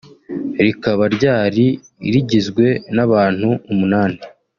rikaba ryari rigizwe n’abantu umunani